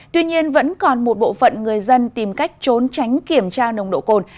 tuy nhiên vẫn còn một bộ phận người dân tìm cách trốn tránh kiểm tra nồng độ cồn